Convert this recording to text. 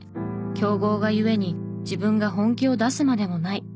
強豪が故に自分が本気を出すまでもない。